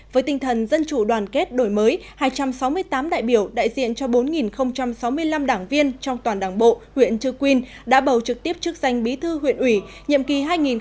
với tinh thần dân chủ đoàn kết đổi mới hai trăm sáu mươi tám đại biểu đại diện cho bốn sáu mươi năm đảng viên trong toàn đảng bộ huyện trư quyên đã bầu trực tiếp chức danh bí thư huyện ủy nhiệm kỳ hai nghìn hai mươi hai nghìn hai mươi năm